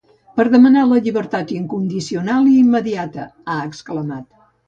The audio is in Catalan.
Per demanar la llibertat incondicional i immediata, ha exclamat.